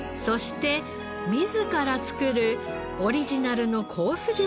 そして自ら作るオリジナルのコース